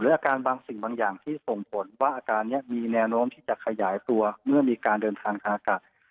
อาการบางสิ่งบางอย่างที่ส่งผลว่าอาการนี้มีแนวโน้มที่จะขยายตัวเมื่อมีการเดินทางทางอากาศ